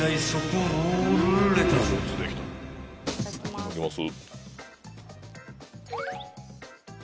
いただきます。